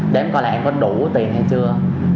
đếm coi là em có đủ tiền hay chưa